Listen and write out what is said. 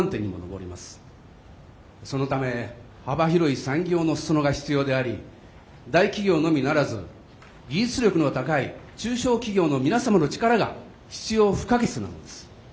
そのため幅広い産業の裾野が必要であり大企業のみならず技術力の高い中小企業の皆様の力が必要不可欠なのです。